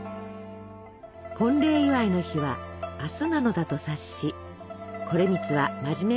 婚礼祝いの日は明日なのだと察し惟光は真面目くさってこう尋ねます。